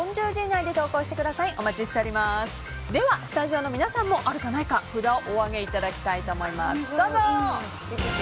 ではスタジオの皆さんも札を上げていただきたいと思います。